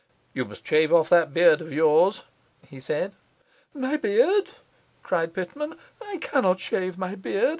'You must shave off that beard of yours,' he said. 'My beard!' cried Pitman. 'I cannot shave my beard.